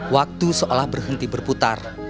waktu seolah berhenti berputar